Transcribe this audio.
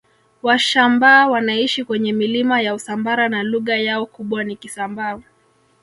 Washambaa wanaishi kwenye milima ya Usambara na lugha yao kubwa ni Kisambaa